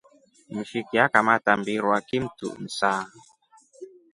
Mshiki akamta mbirwa kitumsa.